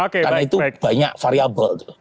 karena itu banyak variable